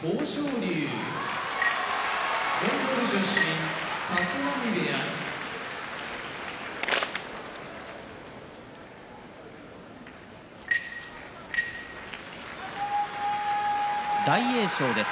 龍モンゴル出身立浪部屋大栄翔です。